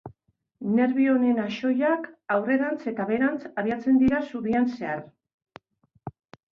Nerbio honen axoiak aurrerantz eta beherantz abiatzen dira zubian zehar.